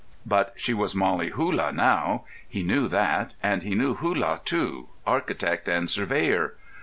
But she was Mollie Hullah now; he knew that. And he knew Hullah, too, architect and surveyor.